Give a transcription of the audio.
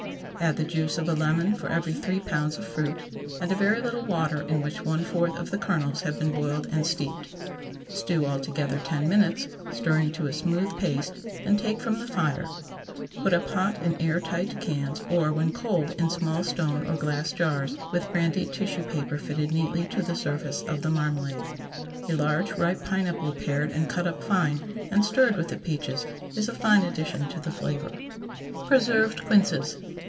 Add the juice of a lemon for every three pounds of fruit, and a very little water in which one fourth of the kernels have been boiled and steeped. Stew all together ten minutes, stirring to a smooth paste, and take from the fire. Put up hot in air tight cans, or, when cold, in small stone or glass jars, with brandied tissue paper fitted neatly to the surface of the marmalade. A large, ripe pineapple, pared and cut up fine, and stirred with the peaches, is a fine addition to the flavor. PRESERVED QUINCES.